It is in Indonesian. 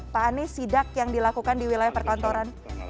pak anies sidak yang dilakukan di wilayah perkantoran